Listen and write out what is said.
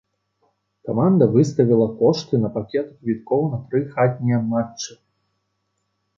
Каманда выставіла кошты на пакеты квіткоў на тры хатнія матчы.